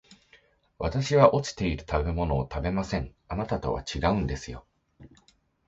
私は落ちている食べ物を食べません、あなたとは違うんですよ